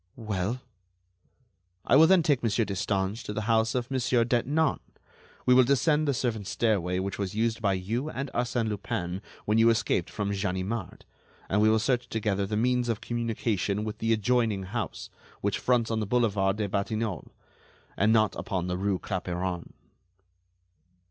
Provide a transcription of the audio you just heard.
"Well?" "I will then take Monsieur Destange to the house of Monsieur Detinan; we will descend the servant's stairway which was used by you and Arsène Lupin when you escaped from Ganimard, and we will search together the means of communication with the adjoining house, which fronts on the Boulevard des Batignolles, and not upon the rue Clapeyron."